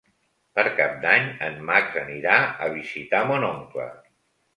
Per Cap d'Any en Max anirà a visitar mon oncle.